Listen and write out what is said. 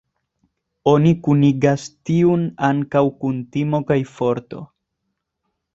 Oni kunigas tiun ankaŭ kun timo kaj forto.